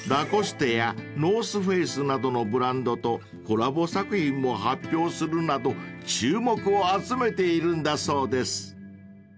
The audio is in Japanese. ［ＬＡＣＯＳＴＥやＮＯＲＴＨＦＡＣＥなどのブランドとコラボ作品も発表するなど注目を集めているんだそうです］